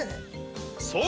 そう！